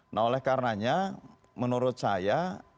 nah oleh karenanya menurut saya